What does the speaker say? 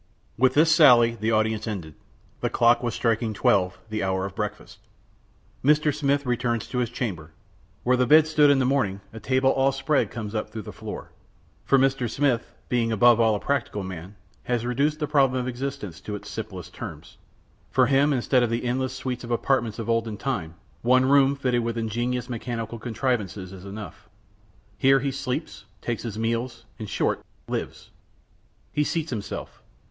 With this sally the audience ended. The clock was striking twelve, the hour of breakfast. Mr. Smith returns to his chamber. Where the bed stood in the morning a table all spread comes up through the floor. For Mr. Smith, being above all a practical man, has reduced the problem of existence to its simplest terms. For him, instead of the endless suites of apartments of the olden time, one room fitted with ingenious mechanical contrivances is enough. Here he sleeps, takes his meals, in short, lives. He seats himself.